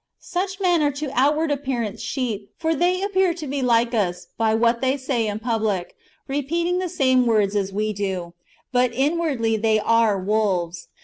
Such men are to outward appearance sheep ; for they appear to be like us, by what they say in public, repeating/ the same words as we do; but inwardly they are wolves.